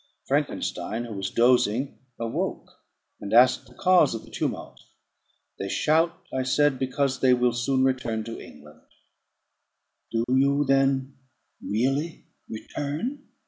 Frankenstein, who was dozing, awoke, and asked the cause of the tumult. "They shout," I said, "because they will soon return to England." "Do you then really return?"